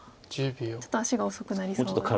ちょっと足が遅くなりそうですか？